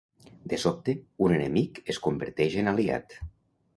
De sobte, un enemic es converteix en aliat.